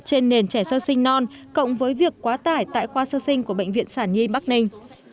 trên nền trẻ sơ sinh non cộng với việc quá tải tại khoa sơ sinh của bệnh viện sản nhi bắc ninh